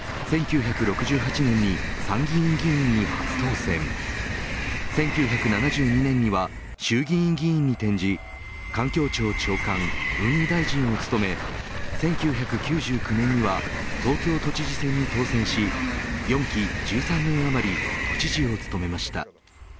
１９６８年に参議院議員に初当選１９７２年には衆議院議員に転じ環境庁長官、運輸大臣を務め１９９９年には東京都知事選に当選し４期１３年あまり都知事を務めました。